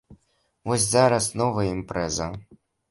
І вось зараз новая імпрэза.